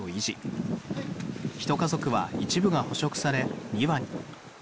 一家族は一部が捕食され２羽に。